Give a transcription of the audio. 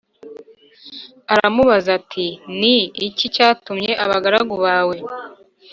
aramubaza ati Ni iki cyatumye abagaragu bawe